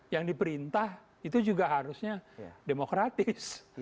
yang diperintah itu juga harusnya demokratis